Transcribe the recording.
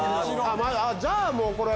じゃあもうこれは！